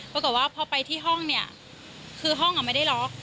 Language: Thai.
ปรากฏว่าพอไปที่ห้องเนี่ยคือห้องไม่ได้ล็อก